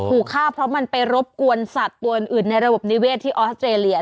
ถูกฆ่าเพราะมันไปรบกวนสัตว์ตัวอื่นในระบบนิเวศที่ออสเตรเลีย